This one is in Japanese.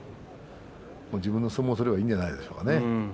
自分の相撲を取ればいいんじゃないですか。